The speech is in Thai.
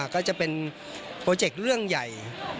ก็จะเป็นโปรเจกต์เรื่องใหญ่